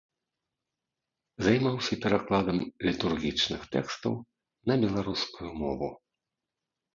Займаўся перакладам літургічных тэкстаў на беларускую мову.